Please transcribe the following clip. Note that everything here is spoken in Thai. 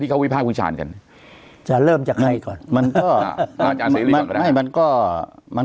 ที่เขาวิภาควิชานกันจะเริ่มจากไข่ก่อนมันก็มันก็มัน